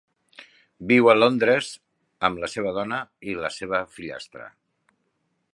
Viu a Londres amb la seva dona i la seva fillastra.